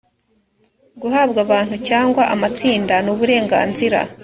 guhabwa abantu cyangwa amatsinda ni uburenganzira